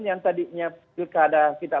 yang tadinya pada kita